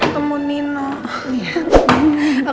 aku ketemu nino dulu ya